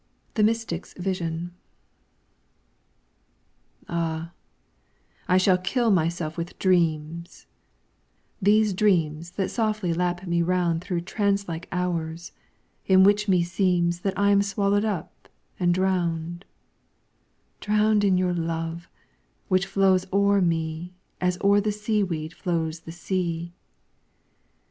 THE MYSTIC'S VISION Ah! I shall kill myself with dreams! These dreams that softly lap me round Through trance like hours, in which meseems That I am swallowed up and drowned; Drowned in your love, which flows o'er me As o'er the seaweed flows the sea.